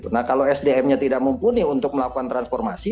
nah kalau sdm nya tidak mumpuni untuk melakukan transformasi